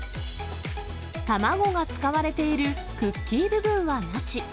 卵が使われているクッキー部分はなし。